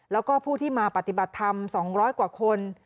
แล้วก็ผู้ที่มาปฏิบัติธรรม๒๐๐กว่าคน